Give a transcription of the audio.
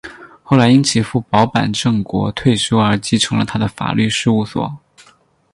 后来因其父保坂正国退休而承继了他的法律事务所。